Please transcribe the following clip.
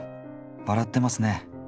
笑ってますネ。